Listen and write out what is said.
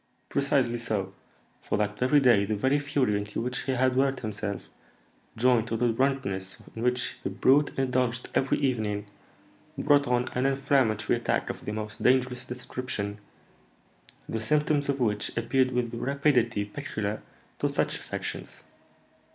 "Precisely so; for that very day the very fury into which he had worked himself, joined to the drunkenness in which the brute indulged every evening, brought on an inflammatory attack of the most dangerous description, the symptoms of which appeared with the rapidity peculiar to such affections.